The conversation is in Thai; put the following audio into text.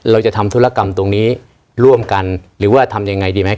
เราจะทำธุรกรรมตรงนี้ร่วมกันหรือว่าทำยังไงดีไหม